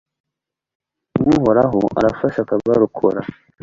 uhoraho arabafasha, akabarokora